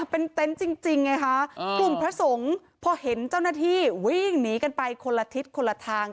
เป็นเต็นต์จริงไงคะกลุ่มพระสงฆ์พอเห็นเจ้าหน้าที่วิ่งหนีกันไปคนละทิศคนละทาง